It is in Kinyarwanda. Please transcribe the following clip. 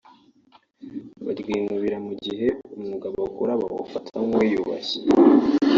baryinubira mu gihe umwuga bakora bawufata nk’uwiyubashye